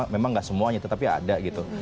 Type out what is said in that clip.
memang nggak semuanya tetapi ada gitu